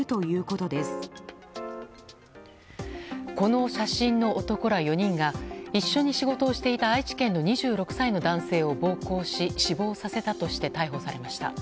この写真の男ら４人が一緒に仕事をしていた愛知県の２６歳の男性を暴行し死亡させたとして逮捕されました。